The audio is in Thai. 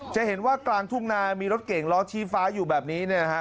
จะเห็นว่ากลางทุ่งนามีรถเก่งรอชีฟ้าอยู่แบบนี้นะครับ